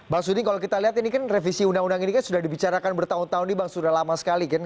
bang suding kalau kita lihat ini kan revisi undang undang ini kan sudah dibicarakan bertahun tahun nih bang sudah lama sekali kan